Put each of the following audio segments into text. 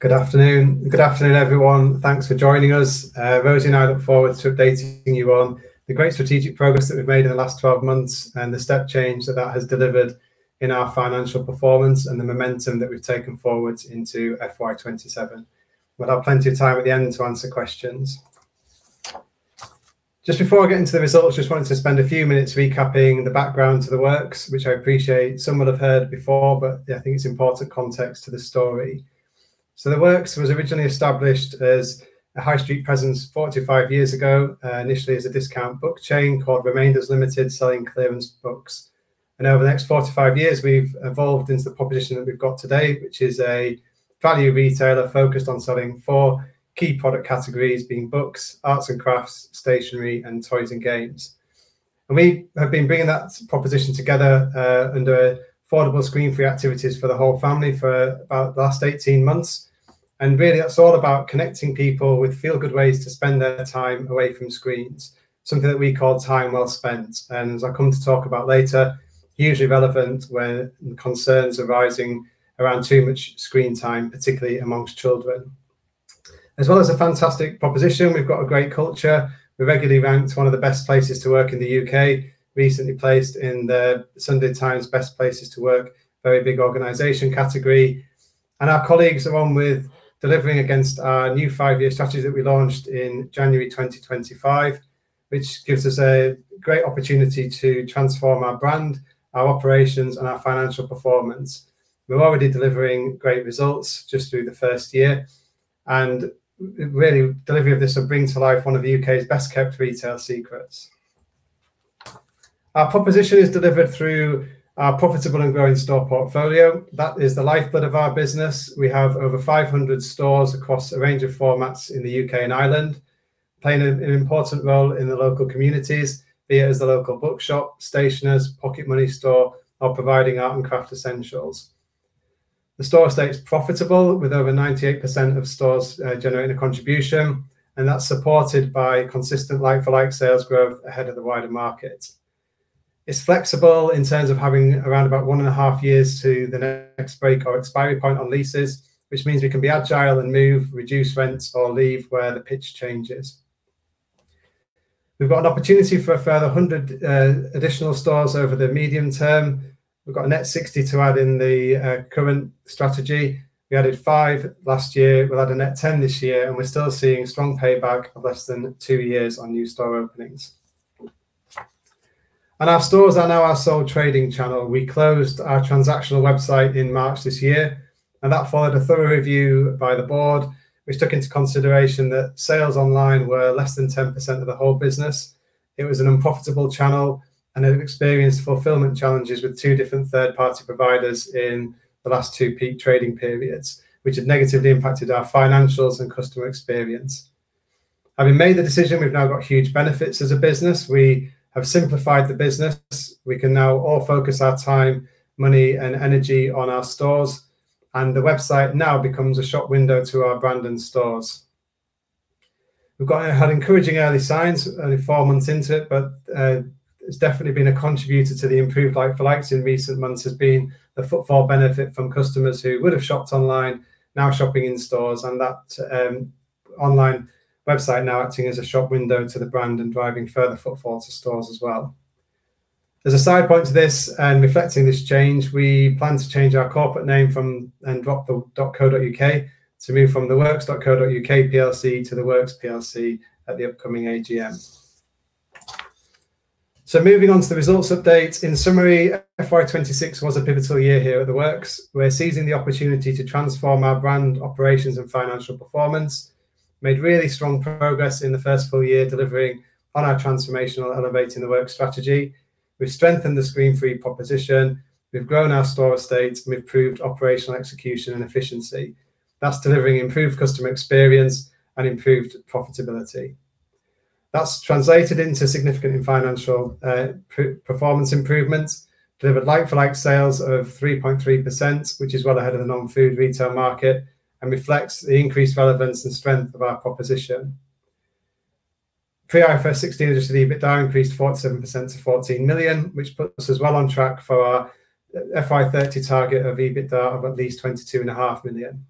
Good afternoon, everyone. Thanks for joining us. Rosie and I look forward to updating you on the great strategic progress that we've made in the last 12 months and the step change that that has delivered in our financial performance and the momentum that we've taken forward into FY 2027. We'll have plenty of time at the end to answer questions. Before I get into the results, just wanted to spend a few minutes recapping the background to The Works, which I appreciate some will have heard before, but I think it's important context to the story. The Works was originally established as a high street presence 45 years ago, initially as a discount book chain called Remainders Limited, selling clearance books. Over the next 45 years, we've evolved into the proposition that we've got today, which is a value retailer focused on selling four key product categories being books, arts and crafts, stationery, and toys and games. We have been bringing that proposition together under affordable screen-free activities for the whole family for about the last 18 months. Really that's all about connecting people with feel-good ways to spend their time away from screens, something that we call Time Well Spent. As I come to talk about later, hugely relevant when concerns arising around too much screen time, particularly amongst children. As well as a fantastic proposition, we've got a great culture. We're regularly ranked one of the best places to work in the U.K., recently placed in The Sunday Times Best Places to Work, very big organization category. Our colleagues are on with delivering against our new five-year strategy that we launched in January 2025, which gives us a great opportunity to transform our brand, our operations, and our financial performance. We're already delivering great results just through the first year, and really delivery of this will bring to life one of the U.K.'s best kept retail secrets. Our proposition is delivered through our profitable and growing store portfolio. That is the lifeblood of our business. We have over 500 stores across a range of formats in the U.K. and Ireland, playing an important role in the local communities, be it as the local bookshop, stationers, pocket money store, or providing art and craft essentials. The store estate's profitable, with over 98% of stores generating a contribution, and that's supported by consistent like-for-like sales growth ahead of the wider market. It's flexible in terms of having around about one and a half years to the next break or expiry point on leases, which means we can be agile and move, reduce rents, or leave where the pitch changes. We've got an opportunity for a further 100 additional stores over the medium term. We've got a net 60 to add in the current strategy. We added five last year. We'll add a net 10 this year, and we're still seeing strong payback of less than two years on new store openings. Our stores are now our sole trading channel. We closed our transactional website in March this year. That followed a thorough review by the board, which took into consideration that sales online were less than 10% of the whole business. It was an unprofitable channel and had experienced fulfillment challenges with two different third-party providers in the last two peak trading periods, which had negatively impacted our financials and customer experience. Having made the decision, we've now got huge benefits as a business. We have simplified the business. We can now all focus our time, money, and energy on our stores, and the website now becomes a shop window to our brand and stores. We've had encouraging early signs only four months into it, but it's definitely been a contributor to the improved like-for-likes in recent months, has been the footfall benefit from customers who would've shopped online now shopping in stores, and that online website now acting as a shop window to the brand and driving further footfall to stores as well. As a side point to this and reflecting this change, we plan to change our corporate name from and drop the .co.uk to move from TheWorks.co.uk plc to TheWorks PLC at the upcoming AGM. Moving on to the results update. In summary, FY 2026 was a pivotal year here at The Works. We're seizing the opportunity to transform our brand operations and financial performance. Made really strong progress in the first full year delivering on our transformational Elevate The Works strategy. We've strengthened the screen-free proposition, we've grown our store estate, and we've proved operational execution and efficiency. That's delivering improved customer experience and improved profitability. That's translated into significant financial performance improvements, delivered like-for-like sales of 3.3%, which is well ahead of the non-food retail market and reflects the increased relevance and strength of our proposition. Pre IFRS 16 adjusted EBITDA increased 47% to 14 million, which puts us well on track for our FY 2030 target of EBITDA of at least 22.5 million.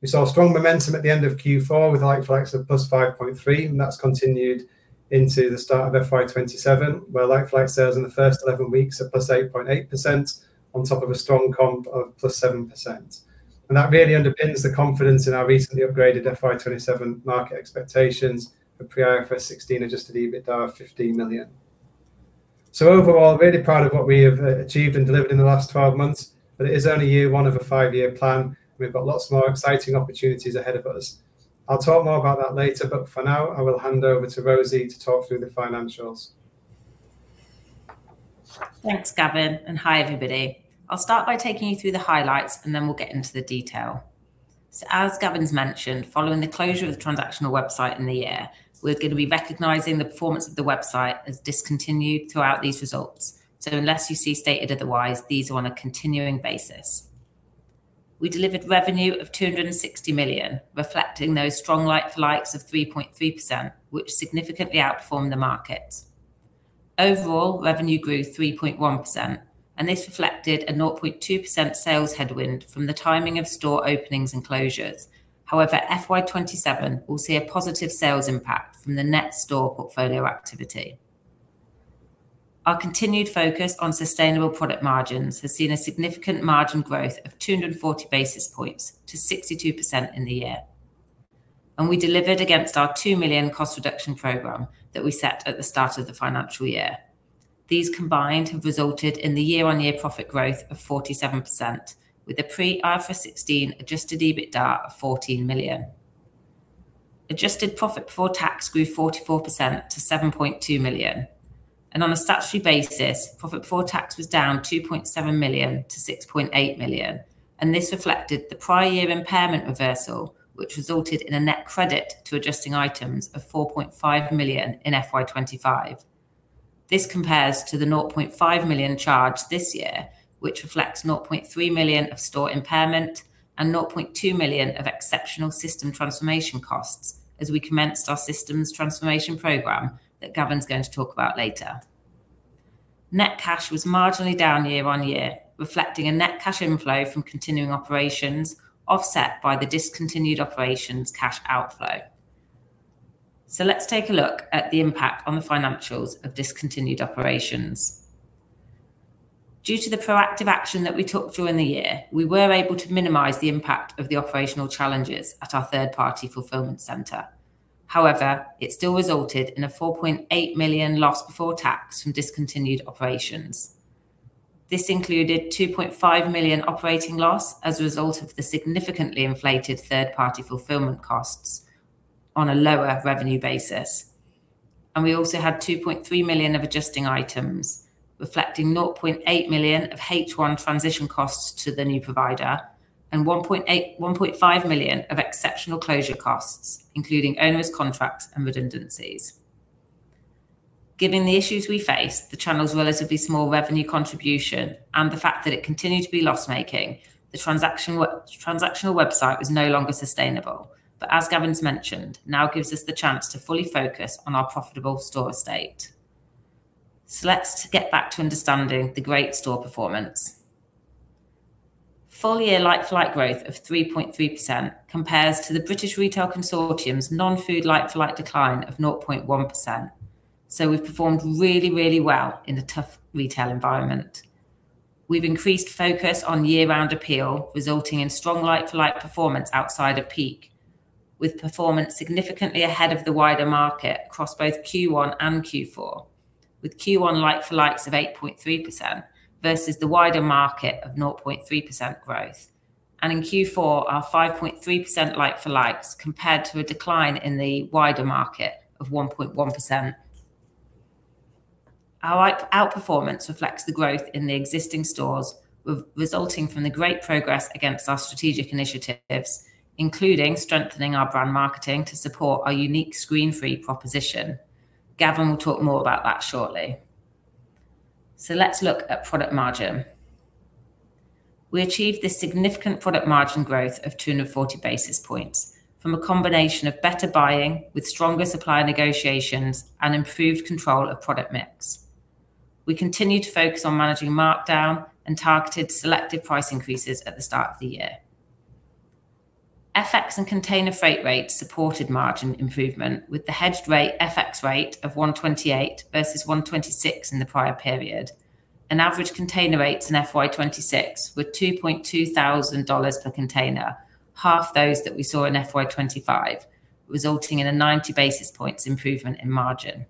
We saw strong momentum at the end of Q4 with like-for-likes of +5.3%, that's continued into the start of FY 2027, where like-for-like sales in the first 11 weeks are +8.8% on top of a strong comp of +7%. That really underpins the confidence in our recently upgraded FY 2027 market expectations for pre IFRS 16 adjusted EBITDA of 15 million. Overall, really proud of what we have achieved and delivered in the last 12 months, but it is only year one of a five-year plan. We've got lots more exciting opportunities ahead of us. I'll talk more about that later, but for now, I will hand over to Rosie to talk through the financials. Thanks, Gavin, and hi everybody. I'll start by taking you through the highlights, and then we'll get into the detail. As Gavin's mentioned, following the closure of the transactional website in the year, we're going to be recognizing the performance of the website as discontinued throughout these results. Unless you see stated otherwise, these are on a continuing basis. We delivered revenue of 260 million, reflecting those strong like-for-likes of 3.3%, which significantly outperformed the market. Overall, revenue grew 3.1%, and this reflected a 0.2% sales headwind from the timing of store openings and closures. However, FY 2027 will see a positive sales impact from the net store portfolio activity. Our continued focus on sustainable product margins has seen a significant margin growth of 240 basis points to 62% in the year. We delivered against our 2 million cost reduction program that we set at the start of the financial year. These combined have resulted in the year-on-year profit growth of 47%, with a pre IFRS 16 adjusted EBITDA of 14 million. Adjusted profit before tax grew 44% to 7.2 million. On a statutory basis, profit before tax was down 2.7 million to 6.8 million. This reflected the prior year impairment reversal, which resulted in a net credit to adjusting items of 4.5 million in FY 2025. This compares to the 500,000 charge this year, which reflects 300,000 of store impairment and 200,000 of exceptional system transformation costs as we commenced our systems transformation program that Gavin's going to talk about later. Net cash was marginally down year on year, reflecting a net cash inflow from continuing operations, offset by the discontinued operations cash outflow. Let's take a look at the impact on the financials of discontinued operations. Due to the proactive action that we took during the year, we were able to minimize the impact of the operational challenges at our third party fulfillment center. However, it still resulted in a 4.8 million loss before tax from discontinued operations. This included 2.5 million operating loss as a result of the significantly inflated third party fulfillment costs on a lower revenue basis. We also had 2.3 million of adjusting items, reflecting 800,000 of H1 transition costs to the new provider and 1.5 million of exceptional closure costs, including owner's contracts and redundancies. Given the issues we faced, the channel's relatively small revenue contribution and the fact that it continued to be loss making, the transactional website was no longer sustainable, but as Gavin's mentioned, now gives us the chance to fully focus on our profitable store estate. Let's get back to understanding the great store performance. Full year like-for-like growth of 3.3% compares to the British Retail Consortium's non-food like-for-like decline of 0.1%. We've performed really, really well in a tough retail environment. We've increased focus on year-round appeal, resulting in strong like for like performance outside of peak, with performance significantly ahead of the wider market across both Q1 and Q4, with Q1 like for likes of 8.3% versus the wider market of 0.3% growth. In Q4, our 5.3% like for likes compared to a decline in the wider market of 1.1%. Our outperformance reflects the growth in the existing stores, resulting from the great progress against our strategic initiatives, including strengthening our brand marketing to support our unique screen-free proposition. Gavin will talk more about that shortly. Let's look at product margin. We achieved this significant product margin growth of 240 basis points from a combination of better buying with stronger supplier negotiations and improved control of product mix. We continued to focus on managing markdown and targeted selective price increases at the start of the year. FX and container freight rates supported margin improvement with the hedged rate FX rate of 128 versus 126 in the prior period. Average container rates in FY 2026 were $2,200 per container, half those that we saw in FY 2025, resulting in a 90 basis points improvement in margin.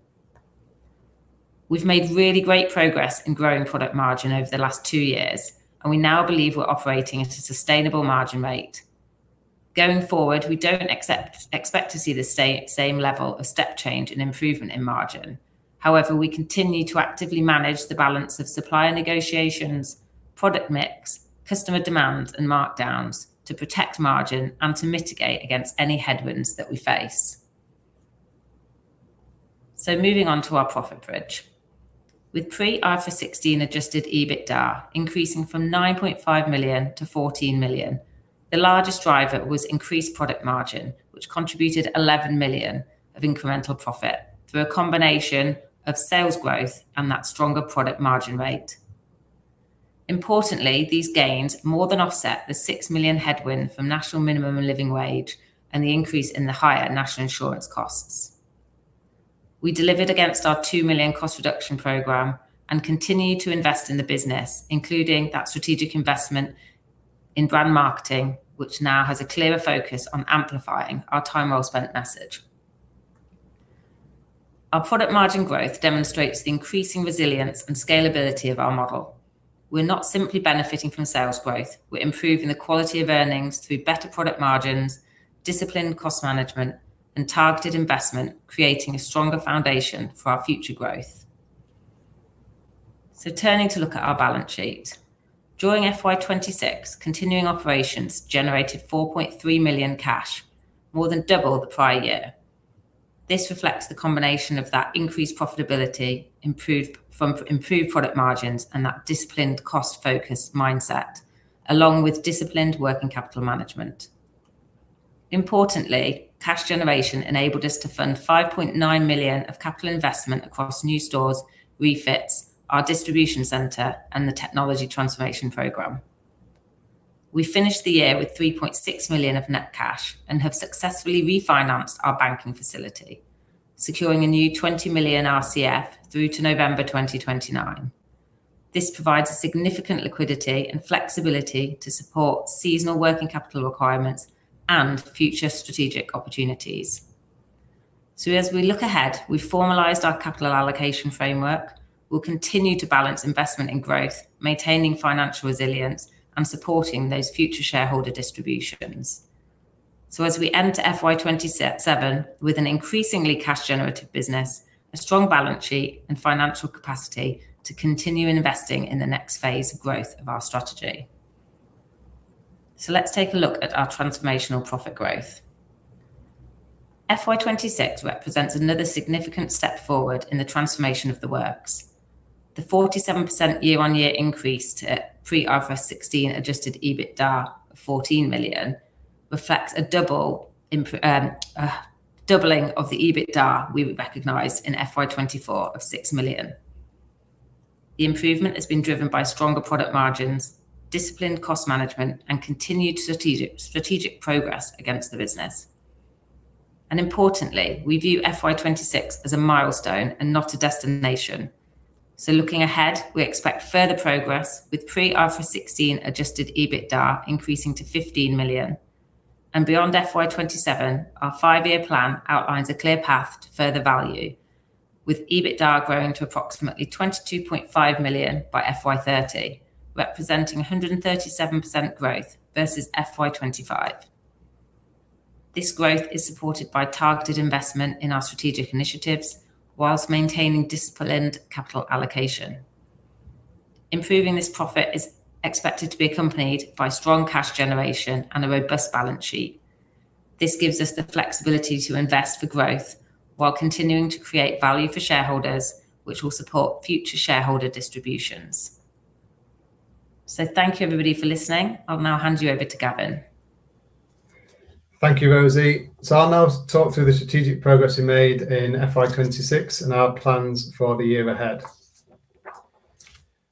We've made really great progress in growing product margin over the last two years, and we now believe we're operating at a sustainable margin rate. Going forward, we don't expect to see the same level of step change and improvement in margin. However, we continue to actively manage the balance of supplier negotiations, product mix, customer demands, and markdowns to protect margin and to mitigate against any headwinds that we face. Moving on to our profit bridge. With pre IFRS 16 adjusted EBITDA increasing from 9.5 million to 14 million, the largest driver was increased product margin, which contributed 11 million of incremental profit through a combination of sales growth and that stronger product margin rate. Importantly, these gains more than offset the 6 million headwind from National Minimum and Living Wage and the increase in the higher National Insurance costs. We delivered against our 2 million cost reduction program and continue to invest in the business, including that strategic investment in brand marketing, which now has a clearer focus on amplifying our Time Well Spent message. Our product margin growth demonstrates the increasing resilience and scalability of our model. We're not simply benefiting from sales growth, we're improving the quality of earnings through better product margins, disciplined cost management, and targeted investment, creating a stronger foundation for our future growth. Turning to look at our balance sheet. During FY 2026, continuing operations generated 4.3 million cash, more than double the prior year. This reflects the combination of that increased profitability, improved product margins, and that disciplined cost focus mindset, along with disciplined working capital management. Importantly, cash generation enabled us to fund 5.9 million of capital investment across new stores, refits, our distribution center, and the technology transformation program. We finished the year with 3.6 million of net cash and have successfully refinanced our banking facility, securing a new 20 million RCF through to November 2029. This provides significant liquidity and flexibility to support seasonal working capital requirements and future strategic opportunities. As we look ahead, we've formalized our capital allocation framework. We'll continue to balance investment in growth, maintaining financial resilience, and supporting those future shareholder distributions. As we enter FY 2027 with an increasingly cash generative business, a strong balance sheet, and financial capacity to continue investing in the next phase of growth of our strategy. Let's take a look at our transformational profit growth. FY 2026 represents another significant step forward in the transformation of The Works. The 47% year-on-year increase to pre IFRS 16 adjusted EBITDA of 14 million reflects a doubling of the EBITDA we recognized in FY 2024 of 6 million. The improvement has been driven by stronger product margins, disciplined cost management, and continued strategic progress against the business. Importantly, we view FY 2026 as a milestone and not a destination. Looking ahead, we expect further progress with pre IFRS 16 adjusted EBITDA increasing to 15 million. Beyond FY 2027, our five-year plan outlines a clear path to further value with EBITDA growing to approximately 22.5 million by FY 2030, representing 137% growth versus FY 2025. This growth is supported by targeted investment in our strategic initiatives whilst maintaining disciplined capital allocation. Improving this profit is expected to be accompanied by strong cash generation and a robust balance sheet. This gives us the flexibility to invest for growth while continuing to create value for shareholders, which will support future shareholder distributions. Thank you, everybody, for listening. I'll now hand you over to Gavin. Thank you, Rosie. I'll now talk through the strategic progress we made in FY 2026 and our plans for the year ahead.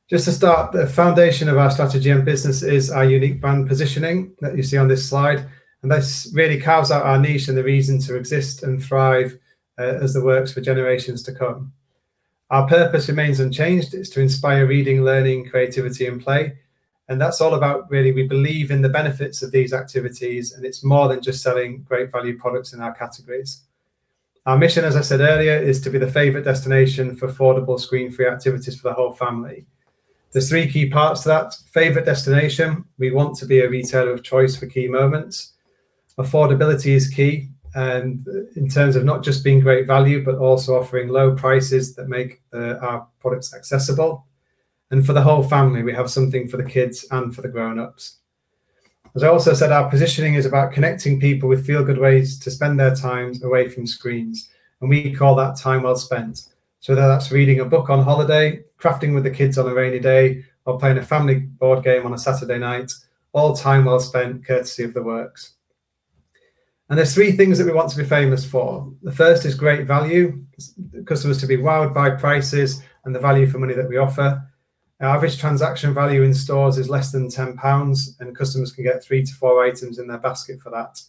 Just to start, the foundation of our strategy and business is our unique brand positioning that you see on this slide, and this really carves out our niche and the reason to exist and thrive as The Works for generations to come. Our purpose remains unchanged, is to inspire reading, learning, creativity, and play, and that's all about, really, we believe in the benefits of these activities, and it's more than just selling great value products in our categories. Our mission, as I said earlier, is to be the favorite destination for affordable screen-free activities for the whole family. There's three key parts to that. Favorite destination, we want to be a retailer of choice for key moments. Affordability is key, in terms of not just being great value, but also offering low prices that make our products accessible. For the whole family, we have something for the kids and for the grown-ups. As I also said, our positioning is about connecting people with feel-good ways to spend their time away from screens, and we call that Time Well Spent. Whether that's reading a book on holiday, crafting with the kids on a rainy day, or playing a family board game on a Saturday night, all Time Well Spent courtesy of The Works. There's three things that we want to be famous for. The first is great value. Customers to be wowed by prices and the value for money that we offer. Our average transaction value in stores is less than 10 pounds, and customers can get three to four items in their basket for that.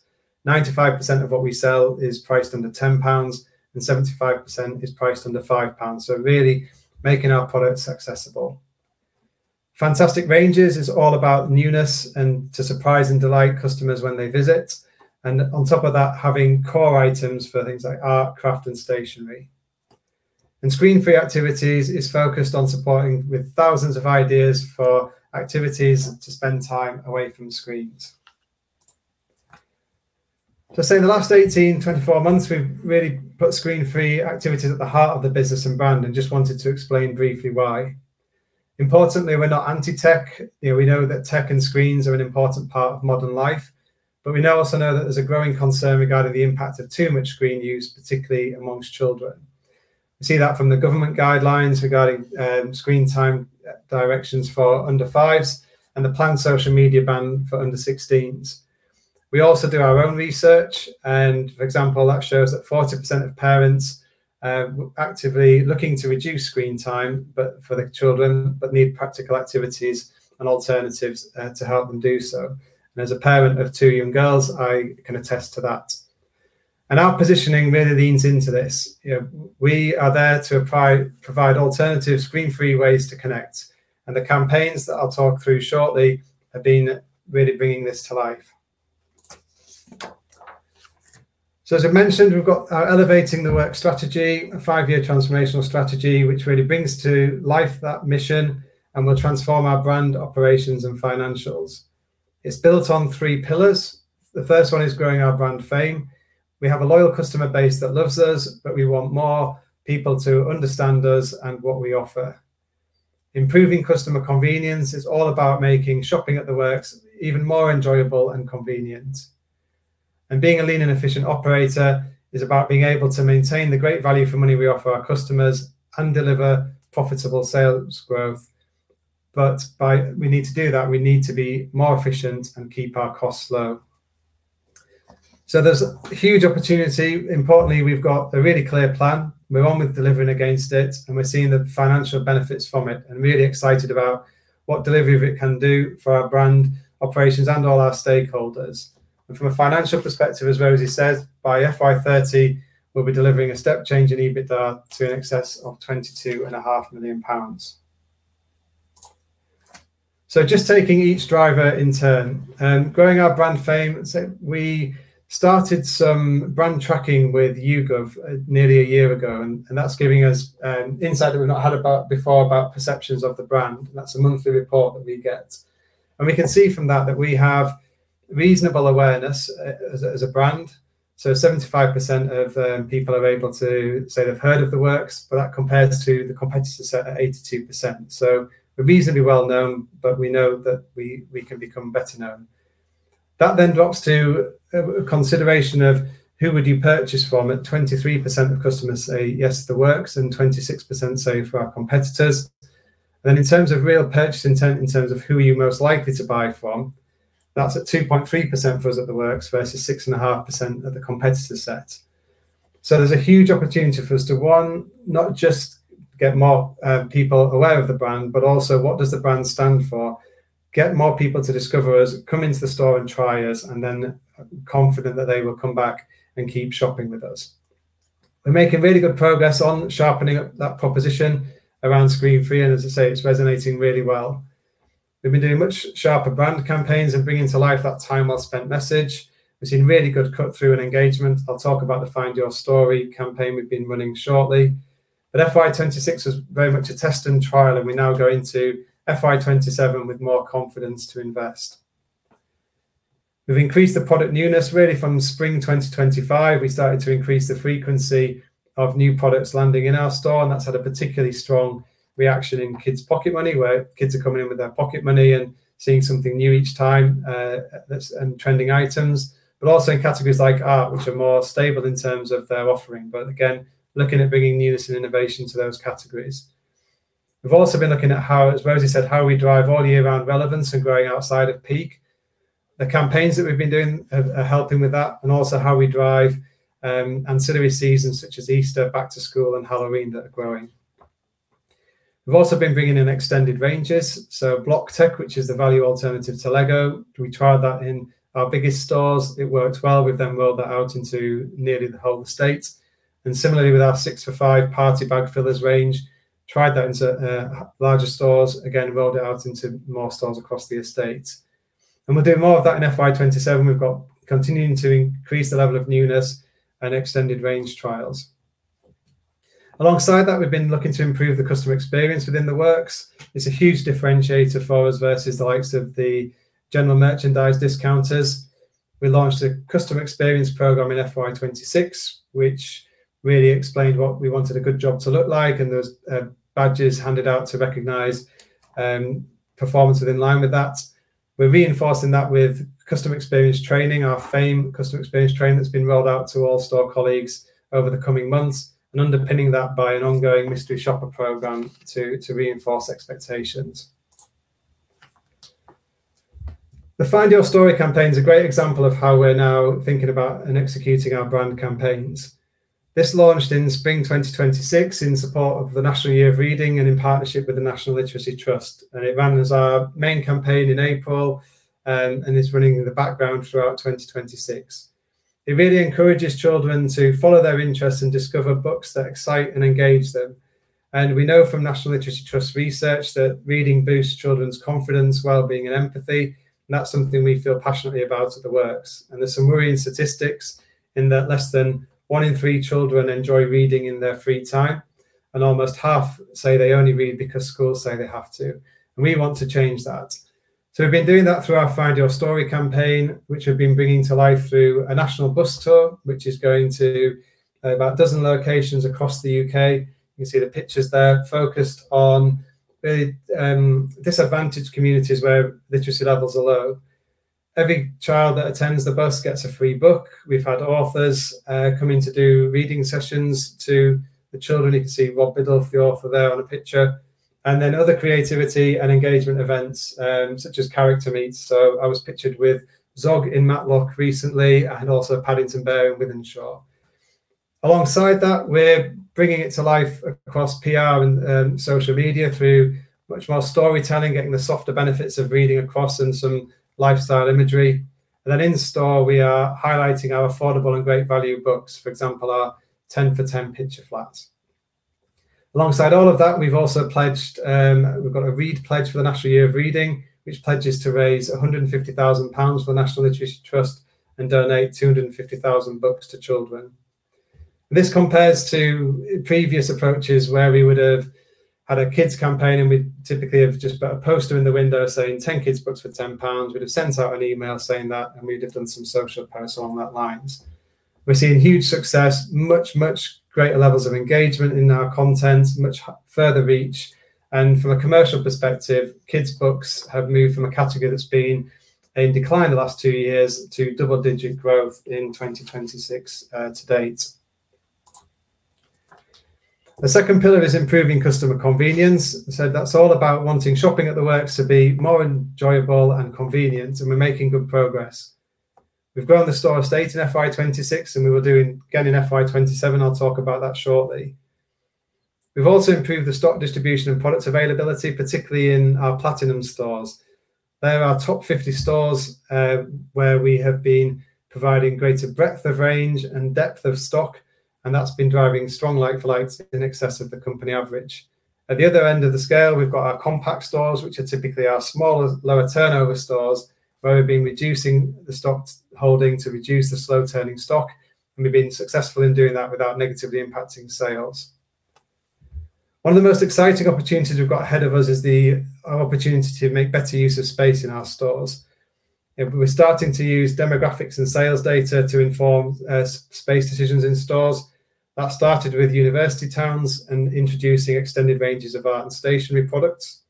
95% of what we sell is priced under 10 pounds, and 75% is priced under 5 pounds, really making our products accessible. Fantastic ranges is all about newness and to surprise and delight customers when they visit. On top of that, having core items for things like art, craft, and stationery. Screen-free activities is focused on supporting with thousands of ideas for activities to spend time away from screens. I say in the last 18-24 months, we've really put screen-free activities at the heart of the business and brand, and just wanted to explain briefly why. Importantly, we're not anti-tech. We know that tech and screens are an important part of modern life. We now also know that there's a growing concern regarding the impact of too much screen use, particularly amongst children. We see that from the government guidelines regarding screen time directions for under 5s and the planned social media ban for under 16s. We also do our own research, and for example, that shows that 40% of parents are actively looking to reduce screen time for their children, but need practical activities and alternatives to help them do so. As a parent of two young girls, I can attest to that. Our positioning really leans into this. We are there to provide alternative screen-free ways to connect, and the campaigns that I'll talk through shortly have been really bringing this to life. As I mentioned, we've got our Elevate The Works strategy, a five-year transformational strategy, which really brings to life that mission and will transform our brand, operations, and financials. It's built on three pillars. The first one is growing our brand fame. We have a loyal customer base that loves us, but we want more people to understand us and what we offer. Improving customer convenience is all about making shopping at The Works even more enjoyable and convenient. And being a lean and efficient operator is about being able to maintain the great value for money we offer our customers and deliver profitable sales growth. We need to do that, we need to be more efficient and keep our costs low. There is a huge opportunity. Importantly, we have got a really clear plan. We are on with delivering against it, and we are seeing the financial benefits from it and really excited about what delivery of it can do for our brand operations and all our stakeholders. And from a financial perspective, as Rosie says, by FY 2030, we will be delivering a step change in EBITDA to an excess of 22.5 million pounds. Just taking each driver in turn. Growing our brand fame. We started some brand tracking with YouGov nearly a year ago, and that is giving us insight that we have not had before about perceptions of the brand. And that is a monthly report that we get. And we can see from that we have reasonable awareness as a brand. So 75% of people are able to say they have heard of The Works, but that compares to the competitor set at 82%. So we are reasonably well known, but we know that we can become better known. That then drops to a consideration of who would you purchase from? At 23% of customers say yes to The Works and 26% say for our competitors. Then in terms of real purchase intent, in terms of who are you most likely to buy from? That is at 2.3% for us at The Works versus 6.5% at the competitor set. So there is a huge opportunity for us to, one, not just get more people aware of the brand, but also what does the brand stand for? Get more people to discover us, come into the store and try us, and then confident that they will come back and keep shopping with us. We are making really good progress on sharpening up that proposition around screen-free, and as I say, it is resonating really well. We have been doing much sharper brand campaigns and bringing to life that Time Well Spent message. We have seen really good cut through and engagement. I will talk about the Find Your Story campaign we have been running shortly, but FY 2026 was very much a test and trial and we now go into FY 2027 with more confidence to invest. We have increased the product newness really from spring 2025. We started to increase the frequency of new products landing in our store, and that has had a particularly strong reaction in kids' pocket money, where kids are coming in with their pocket money and seeing something new each time, and trending items. But also in categories like art, which are more stable in terms of their offering, but again, looking at bringing newness and innovation to those categories. We have also been looking at how, as Rosie said, how we drive all year round relevance and growing outside of peak. The campaigns that we have been doing are helping with that and also how we drive ancillary seasons such as Easter, back to school, and Halloween that are growing. We have also been bringing in extended ranges, so Block Tech, which is the value alternative to Lego. We tried that in our biggest stores. It worked well. We've then rolled that out into nearly the whole estate. Similarly with our six for five party bag fillers range, tried that into larger stores, again, rolled it out into more stores across the estate. We're doing more of that in FY 2027. We've got continuing to increase the level of newness and extended range trials. Alongside that, we've been looking to improve the customer experience within The Works. It's a huge differentiator for us versus the likes of the General Merchandise discounters. We launched a customer experience program in FY 2026, which really explained what we wanted a good job to look like, and there was badges handed out to recognize performance within line with that. We're reinforcing that with customer experience training, our fame customer experience training that's been rolled out to all store colleagues over the coming months, and underpinning that by an ongoing mystery shopper program to reinforce expectations. The Find Your Story campaign's a great example of how we're now thinking about and executing our brand campaigns. This launched in spring 2026 in support of the National Year of Reading and in partnership with the National Literacy Trust. It ran as our main campaign in April, and is running in the background throughout 2026. It really encourages children to follow their interests and discover books that excite and engage them. We know from National Literacy Trust research that reading boosts children's confidence, wellbeing, and empathy. That's something we feel passionately about at The Works. There's some worrying statistics in that less than one in three children enjoy reading in their free time, and almost half say they only read because schools say they have to. We want to change that. We've been doing that through our Find Your Story campaign, which we've been bringing to life through a national bus tour, which is going to about a dozen locations across the U.K. You can see the pictures there focused on very disadvantaged communities where literacy levels are low. Every child that attends the bus gets a free book. We've had authors come in to do reading sessions to the children. You can see Rob Biddulph, the author, there on a picture. Then other creativity and engagement events, such as character meets. I was pictured with Zog in Matlock recently, and also Paddington Bear in Wythenshawe. Alongside that, we're bringing it to life across PR and social media through much more storytelling, getting the softer benefits of reading across and some lifestyle imagery. Then in store we are highlighting our affordable and great value books. For example, our 10 for 10 picture flats. Alongside all of that, We've got a read pledge for the National Year of Reading, which pledges to raise 150,000 pounds for the National Literacy Trust and donate 250,000 books to children. This compares to previous approaches where we would have had a kids campaign and we'd typically have just put a poster in the window saying, "10 kids books for 10 pounds." We'd have sent out an email saying that, and we'd have done some social posts along that lines. We're seeing huge success, much, much greater levels of engagement in our content, much further reach. From a commercial perspective, Kids books have moved from a category that's been in decline the last two years to double-digit growth in 2026 to date. The second pillar is improving customer convenience. That's all about wanting shopping at The Works to be more enjoyable and convenient, and we're making good progress. We've grown the store estate in FY 2026, and we will do again in FY 2027. I'll talk about that shortly. We've also improved the stock distribution and product availability, particularly in our platinum stores. They're our top 50 stores where we have been providing greater breadth of range and depth of stock, and that's been driving strong like-for-likes in excess of the company average. At the other end of the scale, we've got our compact stores, which are typically our smaller, lower turnover stores, where we've been reducing the stock holding to reduce the slow turning stock, and we've been successful in doing that without negatively impacting sales. One of the most exciting opportunities we've got ahead of us is the opportunity to make better use of space in our stores. We're starting to use demographics and sales data to inform space decisions in stores. That started with university towns and introducing extended ranges of art and stationery products.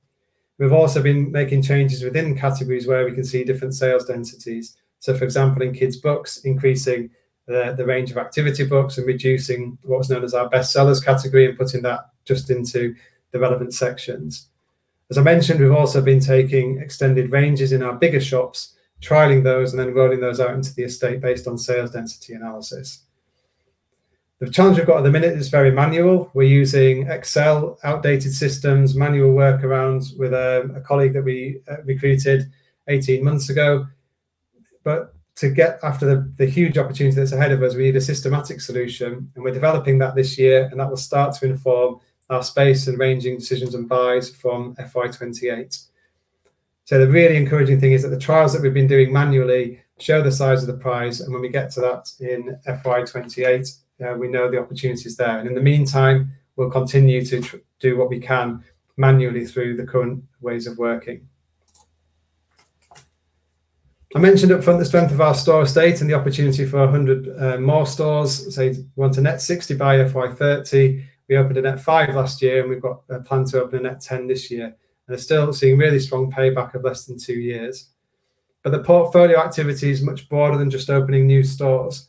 We've also been making changes within categories where we can see different sales densities. For example, in Kids books, increasing the range of activity books and reducing what's known as our best sellers category and putting that just into the relevant sections. As I mentioned, we've also been taking extended ranges in our bigger shops, trialing those, and then rolling those out into the estate based on sales density analysis. The challenge we've got at the minute is very manual. We're using Excel, outdated systems, manual workarounds with a colleague that we recruited 18 months ago. To get after the huge opportunity that's ahead of us, we need a systematic solution, and we're developing that this year, and that will start to inform our space and ranging decisions and buys from FY 2028. The really encouraging thing is that the trials that we've been doing manually show the size of the prize, and when we get to that in FY 2028, we know the opportunity's there. In the meantime, we'll continue to do what we can manually through the current ways of working. I mentioned upfront the strength of our store estate and the opportunity for 100 more stores. We want a net 60 by FY 2030. We opened a net five last year, and we've got a plan to open a net 10 this year. They're still seeing really strong payback of less than two years. The portfolio activity is much broader than just opening new stores.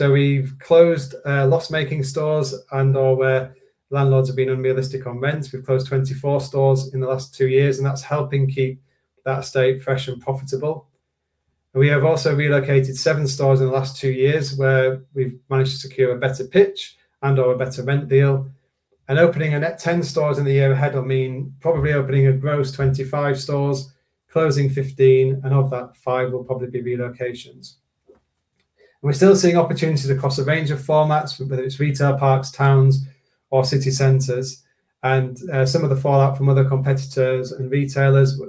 We've closed loss-making stores and/or where landlords have been unrealistic on rents. We've closed 24 stores in the last two years, and that's helping keep that estate fresh and profitable. We have also relocated seven stores in the last two years where we've managed to secure a better pitch and/or a better rent deal. Opening a net 10 stores in the year ahead will mean probably opening a gross 25 stores, closing 15, and of that, five will probably be relocations. We're still seeing opportunities across a range of formats, whether it's retail parks, towns, or city centers, and some of the fallout from other competitors and retailers,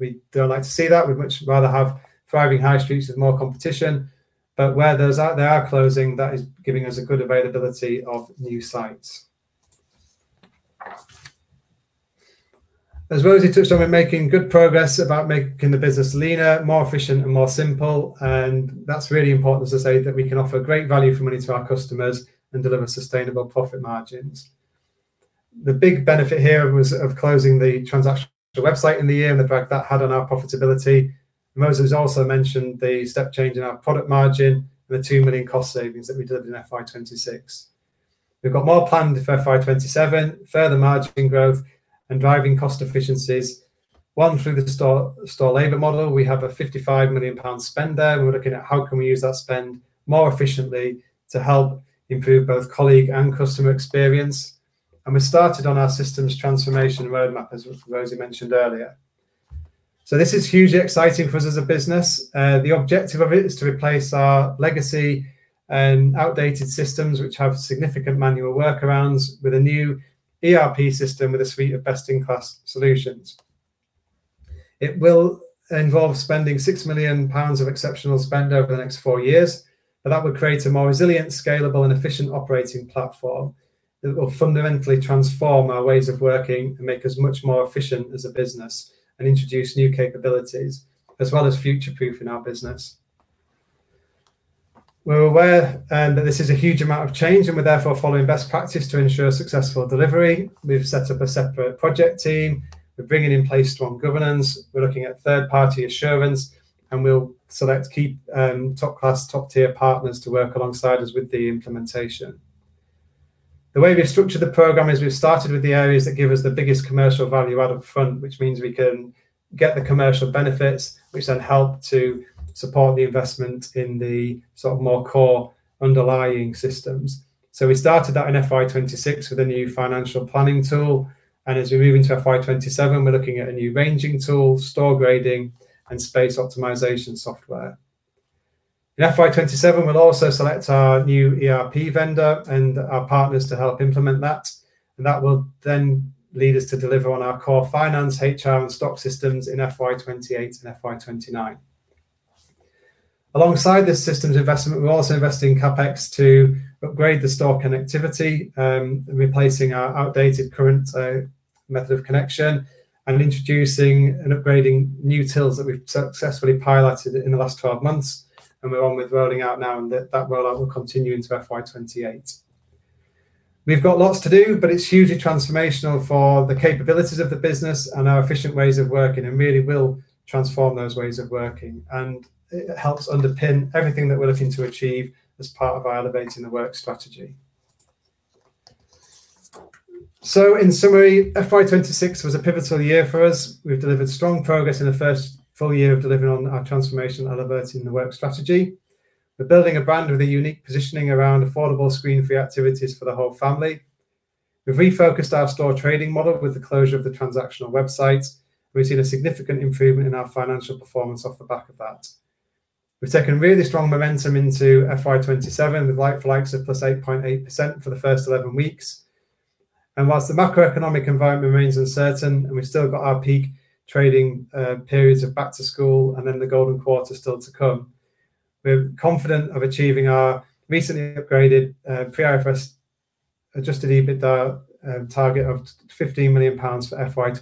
we don't like to see that. We'd much rather have thriving high streets with more competition, but where those are out there are closing, that is giving us a good availability of new sites. As Rosie touched on, we're making good progress about making the business leaner, more efficient, and more simple. That's really important to say that we can offer great value for money to our customers and deliver sustainable profit margins. The big benefit here was of closing the transactional website in the year and the effect that had on our profitability. Rosie has also mentioned the step change in our product margin and the 2 million cost savings that we delivered in FY 2026. We've got more planned for FY 2027, further margin growth and driving cost efficiencies, one through the store labor model. We have a 55 million pound spend there, we're looking at how can we use that spend more efficiently to help improve both colleague and customer experience. We started on our systems transformation roadmap, as Rosie mentioned earlier. This is hugely exciting for us as a business. The objective of it is to replace our legacy and outdated systems, which have significant manual workarounds, with a new ERP system with a suite of best-in-class solutions. It will involve spending 6 million pounds of exceptional spend over the next four years, that would create a more resilient, scalable, and efficient operating platform that will fundamentally transform our ways of working and make us much more efficient as a business and introduce new capabilities as well as future-proofing our business. We're aware that this is a huge amount of change, we're therefore following best practice to ensure successful delivery. We've set up a separate project team. We're bringing in place strong governance. We're looking at third-party assurance, we'll select key top class, top-tier partners to work alongside us with the implementation. The way we've structured the program is we've started with the areas that give us the biggest commercial value out up front, which means we can get the commercial benefits, which then help to support the investment in the more core underlying systems. We started that in FY 2026 with a new financial planning tool, as we move into FY 2027, we're looking at a new ranging tool, store grading, and space optimization software. In FY 2027, we'll also select our new ERP vendor and our partners to help implement that will then lead us to deliver on our core finance, HR, and stock systems in FY 2028 and FY 2029. Alongside this systems investment, we're also investing in CapEx to upgrade the store connectivity, replacing our outdated current method of connection and introducing and upgrading new tills that we've successfully piloted in the last 12 months, we're on with rolling out now, that rollout will continue into FY 2028. We've got lots to do, it's hugely transformational for the capabilities of the business and our efficient ways of working and really will transform those ways of working, it helps underpin everything that we're looking to achieve as part of our Elevate The Works strategy. In summary, FY 2026 was a pivotal year for us. We've delivered strong progress in the first full year of delivering on our transformation Elevate The Works strategy. We're building a brand with a unique positioning around affordable screen-free activities for the whole family. We've refocused our store trading model with the closure of the transactional website. We've seen a significant improvement in our financial performance off the back of that. We've taken really strong momentum into FY 2027 with like for likes of +8.8% for the first 11 weeks. Whilst the macroeconomic environment remains uncertain and we've still got our peak trading periods of back to school and then the golden quarter still to come, we're confident of achieving our recently upgraded pre-IFRS adjusted EBITDA target of 15 million pounds for FY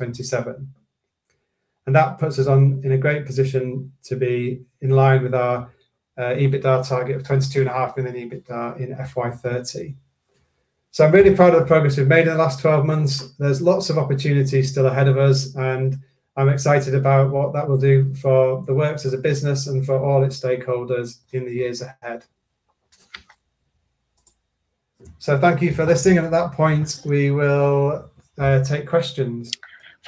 2027. That puts us in a great position to be in line with our EBITDA target of 22.5 million EBITDA in FY 2030. I'm really proud of the progress we've made in the last 12 months. There's lots of opportunities still ahead of us, and I'm excited about what that will do for The Works as a business and for all its stakeholders in the years ahead. Thank you for listening, at that point, we will take questions.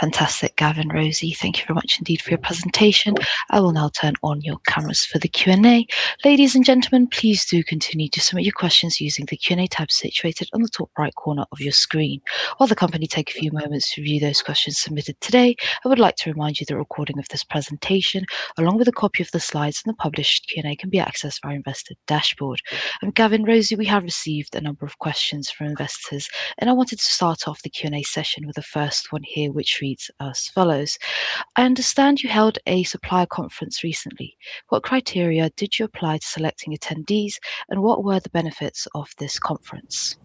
Fantastic, Gavin, Rosie, thank you very much indeed for your presentation. I will now turn on your cameras for the Q&A. Ladies and gentlemen, please do continue to submit your questions using the Q&A tab situated on the top right corner of your screen. While the company take a few moments to review those questions submitted today, I would like to remind you the recording of this presentation, along with a copy of the slides and the published Q&A, can be accessed via Investor dashboard. Gavin, Rosie, we have received a number of questions from investors, I wanted to start off the Q&A session with the first one here, which reads as follows. I understand you held a supplier conference recently. What criteria did you apply to selecting attendees, what were the benefits of this conference?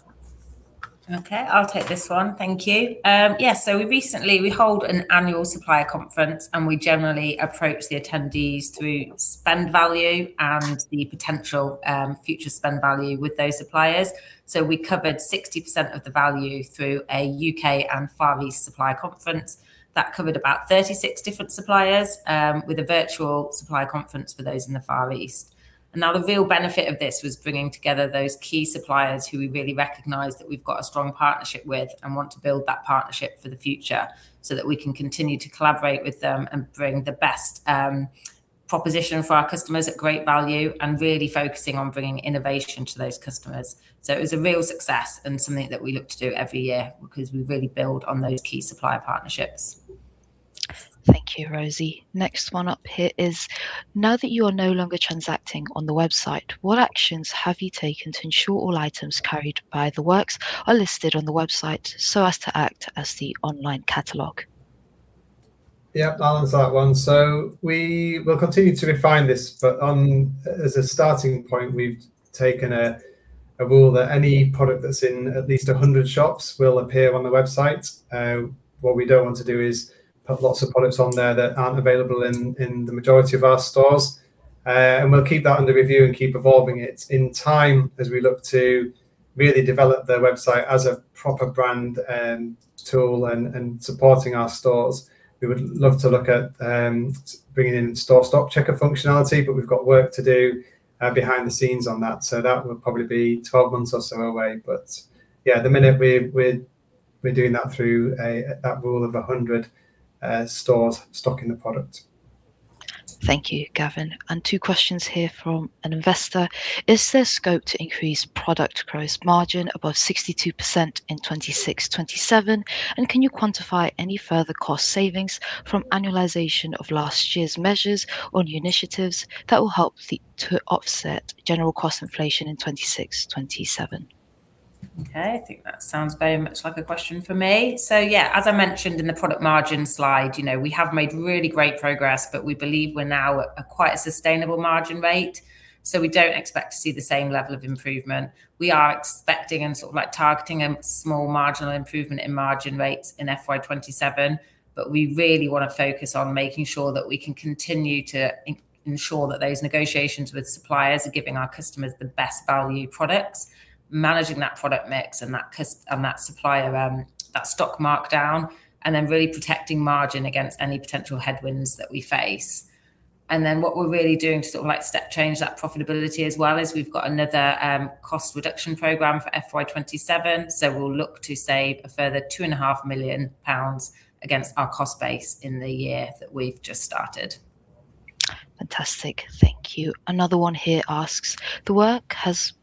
Okay, I'll take this one. Thank you. Yes, recently we hold an annual supplier conference, we generally approach the attendees through spend value and the potential future spend value with those suppliers. We covered 60% of the value through a U.K. and Far East supplier conference that covered about 36 different suppliers, with a virtual supplier conference for those in the Far East. Now the real benefit of this was bringing together those key suppliers who we really recognize that we've got a strong partnership with and want to build that partnership for the future, that we can continue to collaborate with them and bring the best proposition for our customers at great value and really focusing on bringing innovation to those customers. It was a real success and something that we look to do every year because we really build on those key supplier partnerships. Thank you, Rosie. Next one up here is, now that you are no longer transacting on the website, what actions have you taken to ensure all items carried by The Works are listed on the website so as to act as the online catalog? Yep, I'll answer that one. We will continue to refine this, but as a starting point, we've taken a rule that any product that's in at least 100 shops will appear on the website. What we don't want to do is have lots of products on there that aren't available in the majority of our stores. We'll keep that under review and keep evolving it in time as we look to really develop the website as a proper brand tool and supporting our stores. We would love to look at bringing in store stock checker functionality, but we've got work to do behind the scenes on that. That would probably be 12 months or so away. At the minute, we're doing that through that rule of 100 stores stocking the product. Thank you, Gavin. Two questions here from an investor. Is there scope to increase product gross margin above 62% in 26/27? Can you quantify any further cost savings from annualization of last year's measures or new initiatives that will help to offset general cost inflation in 2026/2027? Okay. I think that sounds very much like a question for me. Yeah, as I mentioned in the product margin slide, we have made really great progress, but we believe we're now at quite a sustainable margin rate, so we don't expect to see the same level of improvement. We are expecting and sort of like targeting a small marginal improvement in margin rates in FY 2027, but we really want to focus on making sure that we can continue to ensure that those negotiations with suppliers are giving our customers the best value products, managing that product mix and that stock markdown, really protecting margin against any potential headwinds that we face. What we're really doing to sort of step change that profitability as well is we've got another cost reduction program for FY 2027. We'll look to save a further 2.5 million pounds against our cost base in the year that we've just started. Fantastic. Thank you. Another one here asks, The Works has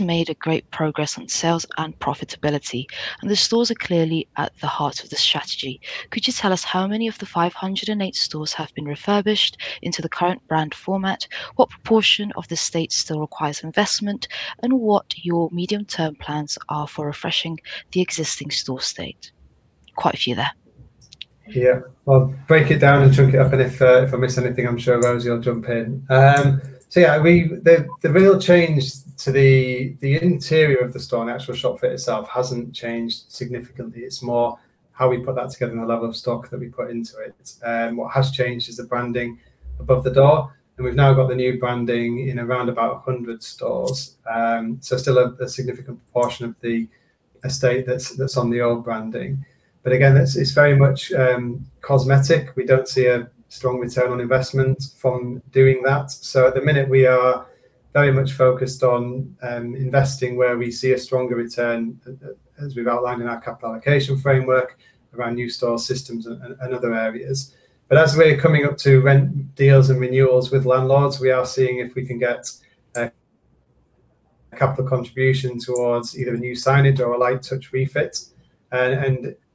made great progress on sales and profitability, and the stores are clearly at the heart of the strategy. Could you tell us how many of the 508 stores have been refurbished into the current brand format? What proportion of the estate still requires investment, and what your medium-term plans are for refreshing the existing store estate? Quite a few there. Yeah. I'll break it down and chunk it up, and if I miss anything, I'm sure Rosie will jump in. Yeah, the real change to the interior of the store and the actual shop fit itself hasn't changed significantly. It's more how we put that together and the level of stock that we put into it. What has changed is the branding above the door, and we've now got the new branding in around about 100 stores. Still a significant proportion of the estate that's on the old branding. Again, it's very much cosmetic. We don't see a strong return on investment from doing that. At the minute we are very much focused on investing where we see a stronger return, as we've outlined in our capital allocation framework around new store systems and other areas. As we're coming up to rent deals and renewals with landlords, we are seeing if we can get a capital contribution towards either a new signage or a light touch refit.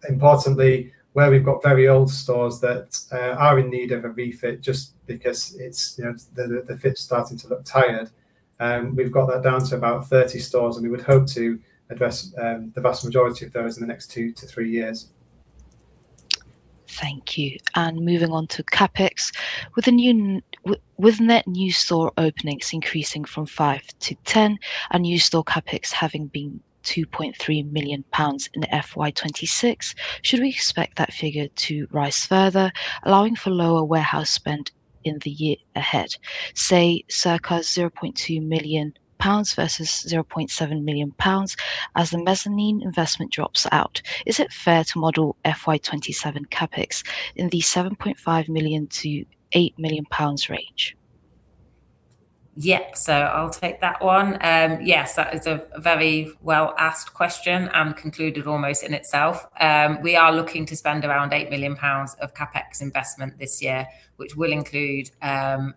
Importantly, where we've got very old stores that are in need of a refit just because the fit's starting to look tired, we've got that down to about 30 stores, and we would hope to address the vast majority of those in the next two to three years. Thank you. Moving on to CapEx, with net new store openings increasing from five to 10 and new store CapEx having been 2.3 million pounds in FY 2026, should we expect that figure to rise further, allowing for lower warehouse spend in the year ahead, say, circa 200,000 pounds versus 700,000 pounds as the mezzanine investment drops out? Is it fair to model FY 2027 CapEx in the 7.5 million-8 million pounds range? Yes, I'll take that one. Yes, that is a very well asked question and concluded almost in itself. We are looking to spend around 8 million pounds of CapEx investment this year, which will include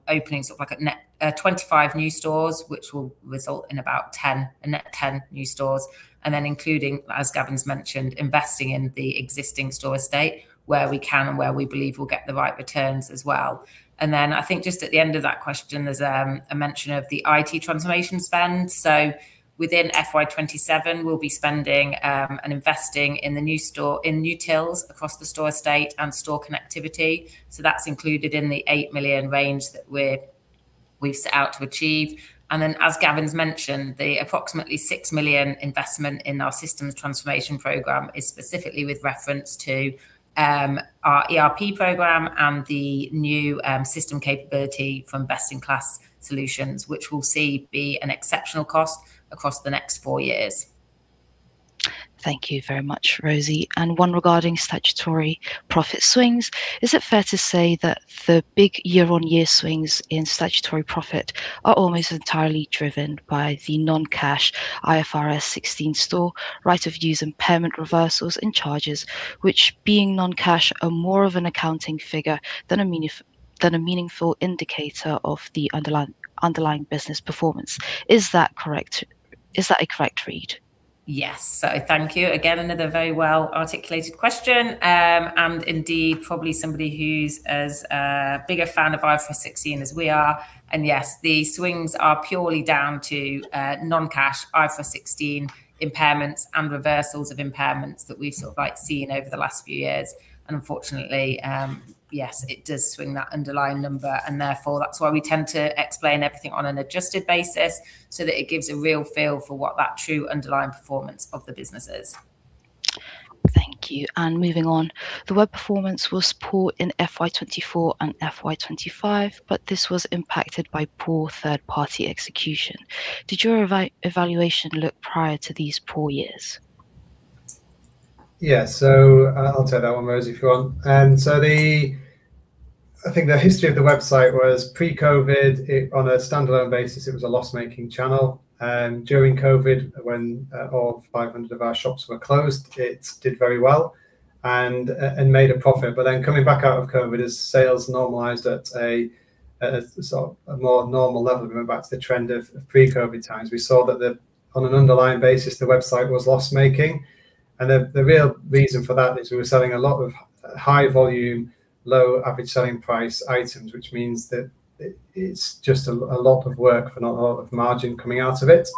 opening sort of like a net 25 new stores, which will result in about a net 10 new stores. Including, as Gavin's mentioned, investing in the existing store estate where we can and where we believe we'll get the right returns as well. I think just at the end of that question, there's a mention of the IT transformation spend. Within FY 2027, we'll be spending and investing in new tills across the store estate and store connectivity. That's included in the 8 million range that we've set out to achieve. As Gavin's mentioned, the approximately 6 million investment in our systems transformation program is specifically with reference to our ERP program and the new system capability from best in class solutions, which we'll see be an exceptional cost across the next four years. Thank you very much, Rosie. One regarding statutory profit swings. Is it fair to say that the big year-on-year swings in statutory profit are almost entirely driven by the non-cash IFRS 16 store right of use impairment reversals and charges, which being non-cash are more of an accounting figure than a meaningful indicator of the underlying business performance. Is that a correct read? Yes. Thank you. Again, another very well articulated question, indeed probably somebody who's as big a fan of IFRS 16 as we are. Yes, the swings are purely down to non-cash IFRS 16 impairments and reversals of impairments that we've sort of seen over the last few years. Unfortunately, yes, it does swing that underlying number and therefore that's why we tend to explain everything on an adjusted basis so that it gives a real feel for what that true underlying performance of the business is. Thank you. Moving on. The web performance was poor in FY 2024 and FY 2025, this was impacted by poor third party execution. Did your evaluation look prior to these poor years? Yeah. I'll take that one, Rosie, if you want. I think the history of the website was pre-COVID, on a standalone basis it was a loss making channel. During COVID, when all 500 of our shops were closed, it did very well and made a profit. Coming back out of COVID, as sales normalized at a sort of more normal level, going back to the trend of pre-COVID times, we saw that on an underlying basis, the website was loss making. The real reason for that is we were selling a lot of high volume, low average selling price items, which means that it's just a lot of work for not a lot of margin coming out of it.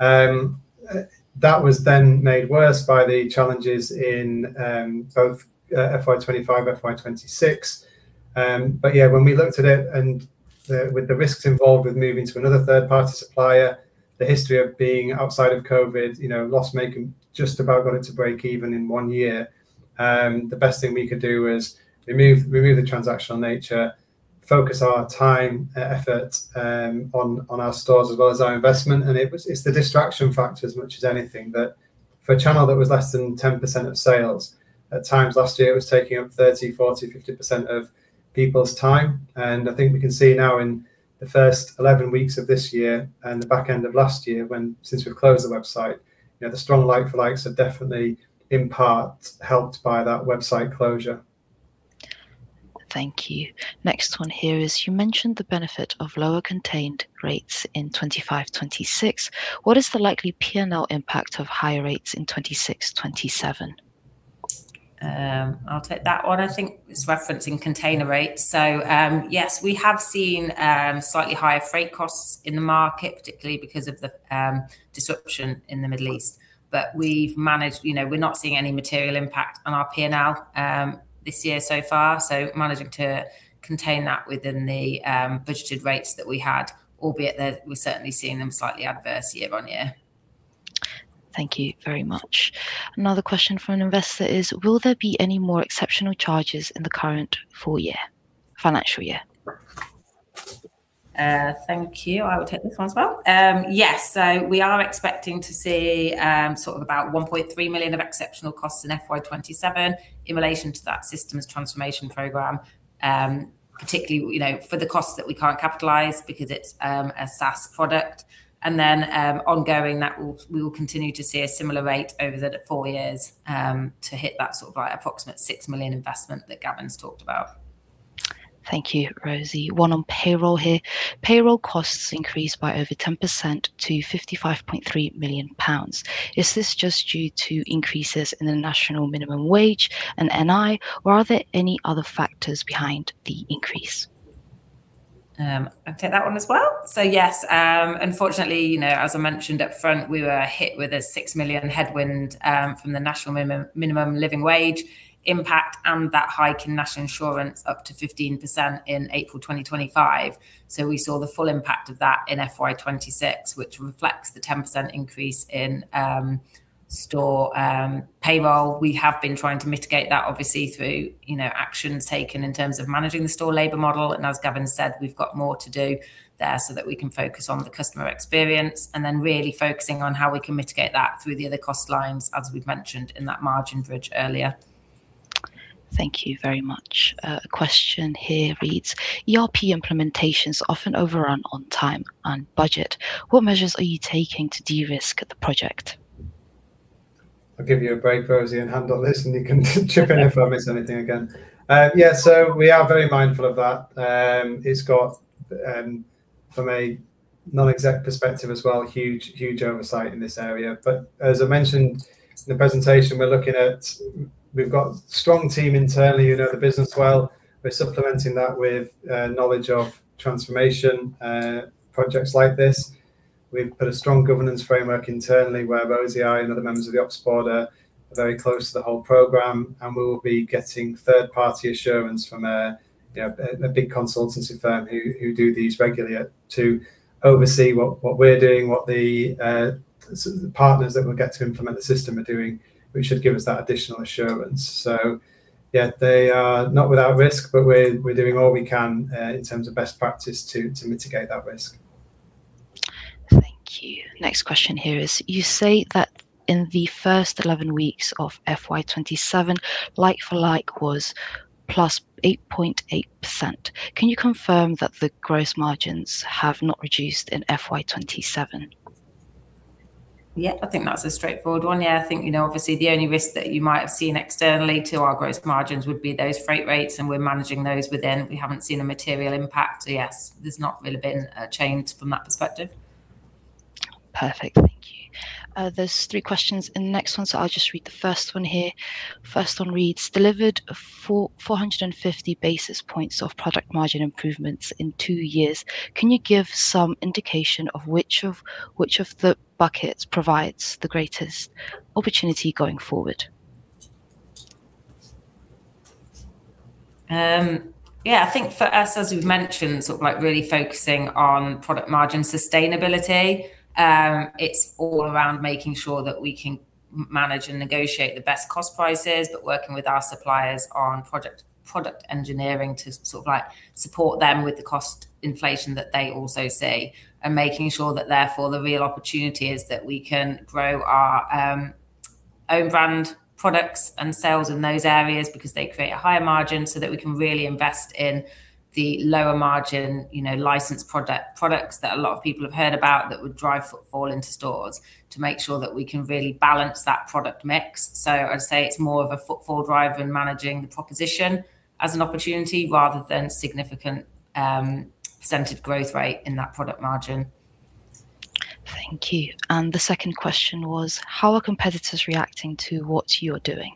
That was made worse by the challenges in both FY 2025 and FY 2026. Yeah, when we looked at it and with the risks involved with moving to another third party supplier, the history of being outside of COVID, loss making just about got it to break even in one year. The best thing we could do was remove the transactional nature, focus our time and effort on our stores as well as our investment. It is the distraction factor as much as anything that for a channel that was less than 10% of sales, at times last year it was taking up 30%, 40%, 50% of people's time. I think we can see now in the first 11 weeks of this year and the back end of last year when since we have closed the website, the strong like for likes are definitely in part helped by that website closure. Thank you. Next one here is, you mentioned the benefit of lower contained rates in FY 2025/2026. What is the likely P&L impact of higher rates in FY 2026/2027? I will take that one. I think it is referencing container rates. Yes, we have seen slightly higher freight costs in the market, particularly because of the disruption in the Middle East. We have managed, we are not seeing any material impact on our P&L this year so far. Managing to contain that within the budgeted rates that we had, albeit that we are certainly seeing them slightly adverse year-on-year. Thank you very much. Another question from an investor is, will there be any more exceptional charges in the current full year, financial year? Thank you. I will take this one as well. Yes. We are expecting to see sort of about 1.3 million of exceptional costs in FY 2027 in relation to that systems transformation program. Particularly for the costs that we can't capitalize because it's a SaaS product. Ongoing, we will continue to see a similar rate over the four years to hit that approximate 6 million investment that Gavin's talked about. Thank you, Rosie. One on payroll here. Payroll costs increased by over 10% to 55.3 million pounds. Is this just due to increases in the National Minimum Wage and NI, or are there any other factors behind the increase? I'll take that one as well. Yes, unfortunately, as I mentioned up front, we were hit with a 6 million headwind from the National Minimum Living Wage impact and that hike in National Insurance up to 15% in April 2025. We saw the full impact of that in FY 2026, which reflects the 10% increase in store payroll. We have been trying to mitigate that obviously through actions taken in terms of managing the store labor model, and as Gavin said, we've got more to do there so that we can focus on the customer experience and then really focusing on how we can mitigate that through the other cost lines, as we've mentioned in that margin bridge earlier. Thank you very much. A question here reads, ERP implementations often overrun on time and budget. What measures are you taking to de-risk the project? I'll give you a break, Rosie, and handle this, and you can chip in if I miss anything again. We are very mindful of that. It's got, from a non-exec perspective as well, huge oversight in this area. As I mentioned in the presentation, we've got a strong team internally who know the business well. We're supplementing that with knowledge of transformation projects like this. We've put a strong governance framework internally where Rosie and other members of the ops board are very close to the whole program, we will be getting third party assurance from a big consultancy firm who do these regularly to oversee what we're doing, what the partners that will get to implement the system are doing, which should give us that additional assurance. They are not without risk, we're doing all we can in terms of best practice to mitigate that risk. Thank you. Next question here is, you say that in the first 11 weeks of FY 2027, like-for-like was +8.8%. Can you confirm that the gross margins have not reduced in FY 2027? That's a straightforward one. Obviously the only risk that you might have seen externally to our gross margins would be those freight rates, we're managing those within. We haven't seen a material impact. Yes, there's not really been a change from that perspective. Perfect. Thank you. There's three questions in the next one, so I'll just read the first one here. First one reads, delivered 450 basis points of product margin improvements in two years. Can you give some indication of which of the buckets provides the greatest opportunity going forward? I think for us, as we've mentioned, really focusing on product margin sustainability. It's all around making sure that we can manage and negotiate the best cost prices, working with our suppliers on product engineering to support them with the cost inflation that they also see. Making sure that therefore, the real opportunity is that we can grow our own brand products and sales in those areas because they create a higher margin so that we can really invest in the lower margin licensed products that a lot of people have heard about that would drive footfall into stores to make sure that we can really balance that product mix. I'd say it's more of a footfall drive and managing the proposition as an opportunity rather than significant percentage growth rate in that product margin. Thank you. The second question was, how are competitors reacting to what you're doing?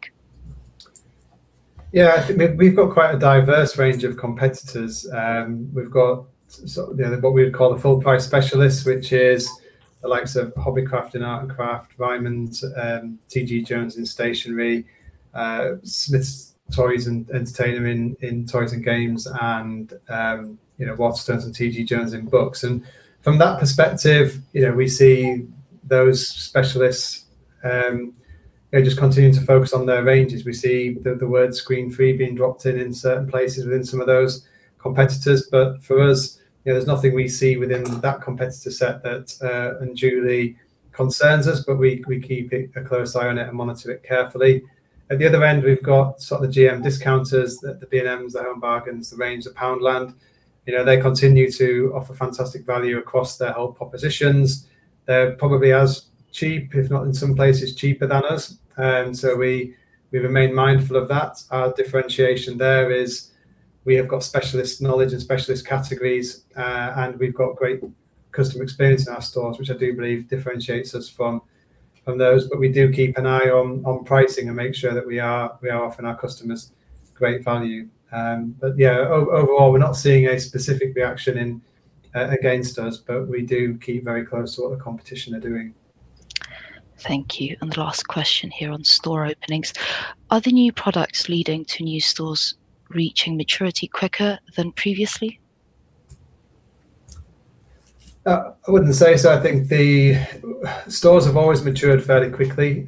I think we've got quite a diverse range of competitors. We've got what we would call the full price specialists, which is the likes of Hobbycraft in art and craft, Ryman, TGJones in stationery, Smyths Toys and Entertainer in toys and games and Waterstones and TGJones in books. From that perspective, we see those specialists just continuing to focus on their ranges. We see the words screen-free being dropped in in certain places within some of those competitors. For us, there's nothing we see within that competitor set that unduly concerns us, but we keep a close eye on it and monitor it carefully. At the other end, we've got the GM discounters, the B&Ms, the Home Bargains, the range of Poundland. They continue to offer fantastic value across their whole propositions. They're probably as cheap, if not in some places cheaper than us. We remain mindful of that. Our differentiation there is we have got specialist knowledge and specialist categories, and we've got great customer experience in our stores, which I do believe differentiates us from those. We do keep an eye on pricing and make sure that we are offering our customers great value. Yeah, overall, we're not seeing a specific reaction against us, but we do keep very close to what the competition are doing. Thank you. The last question here on store openings. Are the new products leading to new stores reaching maturity quicker than previously? I wouldn't say so. I think the stores have always matured fairly quickly.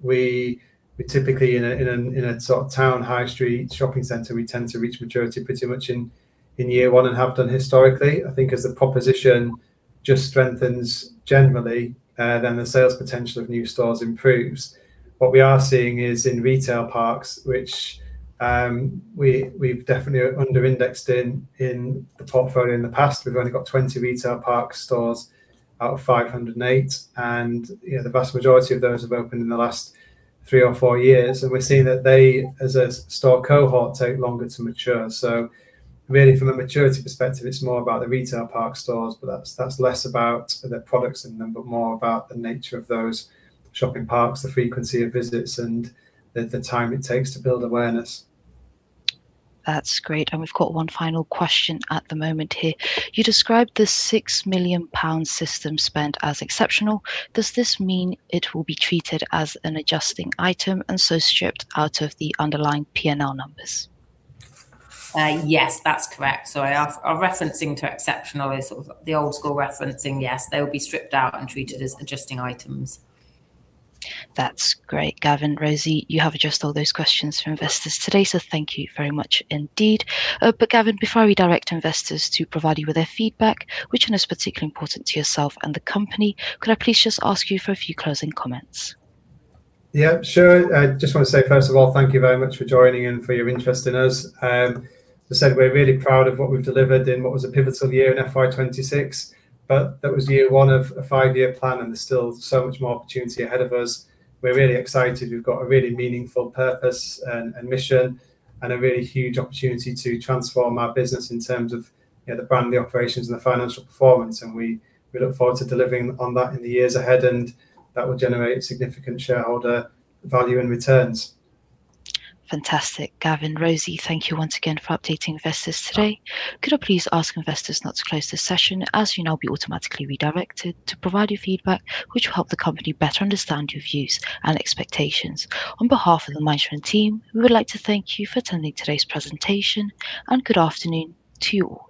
We typically in a town high street shopping center, we tend to reach maturity pretty much in year one and have done historically. I think as the proposition Just strengthens generally, the sales potential of new stores improves. What we are seeing is in retail parks, which we've definitely under-indexed in the portfolio in the past. We've only got 20 retail park stores out of 508, and the vast majority of those have opened in the last three or four years. We're seeing that they, as a store cohort, take longer to mature. Really from a maturity perspective, it's more about the retail park stores, but that's less about the products in them, but more about the nature of those shopping parks, the frequency of visits, and the time it takes to build awareness. That's great. We've got one final question at the moment here. You described the 6 million pound system spend as exceptional. Does this mean it will be treated as an adjusting item and stripped out of the underlying P&L numbers? That's correct. Our referencing to exceptional is sort of the old school referencing, yes, they will be stripped out and treated as adjusting items. That's great. Gavin, Rosie, you have addressed all those questions from investors today. Thank you very much indeed. Gavin, before I redirect investors to provide you with their feedback, which is particularly important to yourself and the company, could I please just ask you for a few closing comments? Sure. I just want to say, first of all, thank you very much for joining in, for your interest in us. As I said, we're really proud of what we've delivered in what was a pivotal year in FY 2026, that was year one of a five-year plan, there's still so much more opportunity ahead of us. We're really excited. We've got a really meaningful purpose and mission, a really huge opportunity to transform our business in terms of the brand, the operations, and the financial performance. We look forward to delivering on that in the years ahead, that will generate significant shareholder value and returns. Fantastic. Gavin, Rosie, thank you once again for updating investors today. Could I please ask investors not to close this session, as you'll now be automatically redirected to provide your feedback, which will help the company better understand your views and expectations. On behalf of the Investor Meet Company team, we would like to thank you for attending today's presentation. Good afternoon to you all.